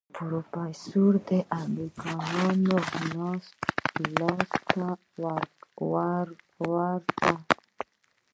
که پروفيسر د امريکايانو لاس ته ورته.